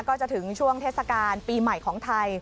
ก็จะถึงช่วงเทศกาลปีใหม่ของไทย